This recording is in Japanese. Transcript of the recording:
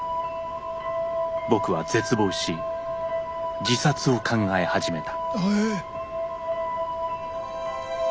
僕は絶望し自殺を考え始めた。